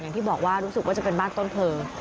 อย่างที่บอกว่ารู้สึกว่าจะเป็นบ้านต้นเพลิง